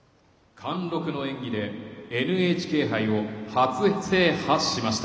貫禄の演技でＮＨＫ杯を初制覇しました。